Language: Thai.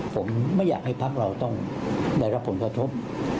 ผมไม่อยากให้ภักร์เราต้องได้รับผลพัฒนธพ